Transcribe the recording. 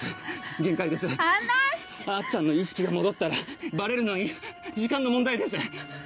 離し！あっちゃんの意識が戻ったらバレるのは時間の問題です。